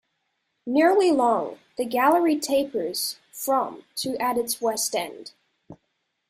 Nearly long, the gallery tapers from to at its west end.